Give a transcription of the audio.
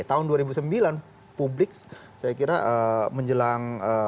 tahun dua ribu sembilan publik saya kira menjelang